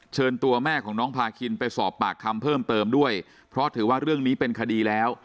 เชิญตัวแม่ของน้องพาคินไปสอบปากคำเพิ่มเติมด้วยเพราะถือว่าเรื่องนี้เป็นคดีแล้ว